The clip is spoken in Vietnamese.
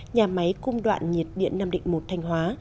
nhà máy cung đoạn nhiệt điện nam định một thanh hóa